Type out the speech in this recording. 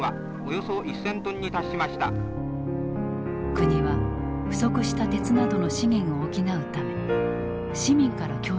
国は不足した鉄などの資源を補うため市民から供出させた。